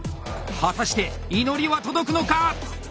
果たして祈りは届くのか？